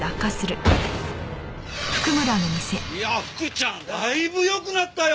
いや福ちゃんだいぶ良くなったよ。